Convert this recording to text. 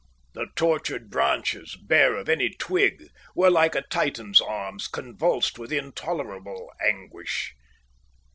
The tortured branches, bare of any twig, were like a Titan's arms, convulsed with intolerable anguish.